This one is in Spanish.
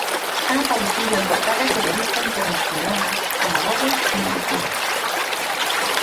Ha aparecido en portadas de revista internacionales como "Vogue" y "Marie Claire".